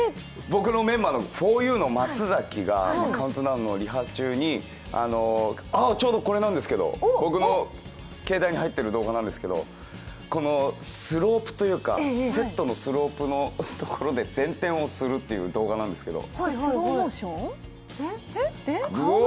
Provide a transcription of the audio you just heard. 僕のメンバー、ふぉゆの松崎が「カウントダウン」のリハ中にちょうどこれなんですけど、僕の携帯に入ってる動画なんですけどスロープというかセットのスロープのところで前転をするという動画なんですけど。